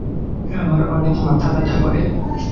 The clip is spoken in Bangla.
আমার অনেক মাথা ব্যথা করে।